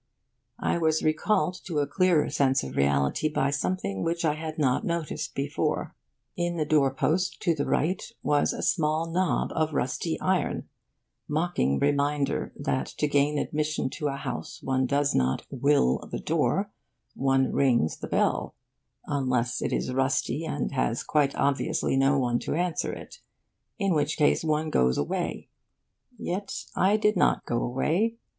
I was recalled to a clearer sense of reality by something which I had not before noticed. In the door post to the right was a small knob of rusty iron mocking reminder that to gain admission to a house one does not 'will' the door: one rings the bell unless it is rusty and has quite obviously no one to answer it; in which case one goes away. Yet I did not go away.